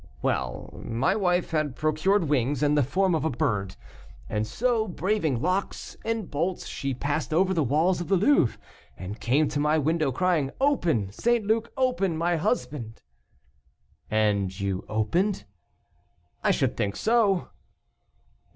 "Well, my wife had procured wings and the form of a bird, and so, braving locks and bolts, she passed over the walls of the Louvre, and came to my window, crying, 'Open, St. Luc, open, my husband.'" "And you opened?" "I should think so."